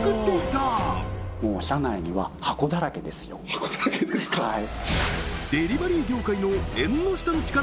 箱だらけですかはい